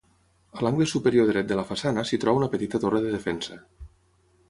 A l'angle superior dret de la façana s'hi troba una petita torre de defensa.